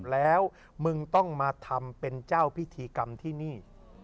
แล้วมึงต้องมาทำเป็นเจ้าพิธีกรรมที่นี่